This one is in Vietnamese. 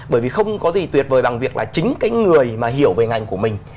bởi vì không có gì tuyệt vời bằng việc là chính cái người mà hiểu về ngành của mình